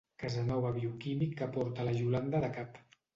Casanova bioquímic que porta la Iolanda de cap.